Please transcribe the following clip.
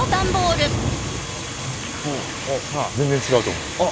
全然違うと思うんです。